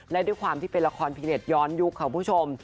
และด้วยความที่เป็นละครพีเน็ตย้อนยุคค่ะคุณผู้ชม